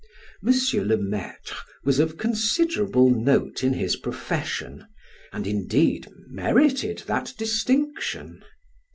M. le Maitre was of considerable note in his profession, and, indeed, merited that distinction.